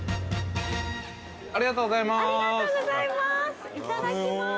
◆ありがとうございます。